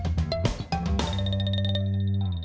สวัสดีค่ะคุณผู้ชมสรรจรทั่วอาทิตย์ก็ติดทั่วไทยครับ